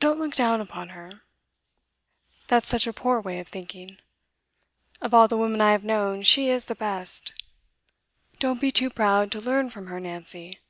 Don't look down upon her, that's such a poor way of thinking. Of all the women I have known, she is the best. Don't be too proud to learn from her, Nancy.